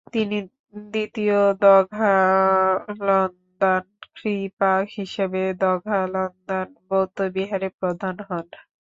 তিনি দ্বিতীয় দ্গা'-ল্দান-খ্রি-পা হিসেবে দ্গা'-ল্দান বৌদ্ধবিহারের প্রধান হন।